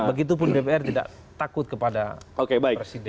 begitupun dpr tidak takut kepada presiden